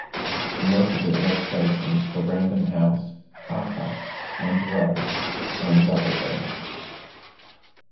He also did illustrations for Random House, Harper and Row, and Doubleday.